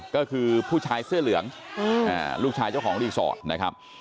ก็คือผู้ชายเสื้อเหลืองลูกชายเจ้าของรีสอร์ทนะครับ